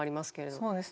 そうですね。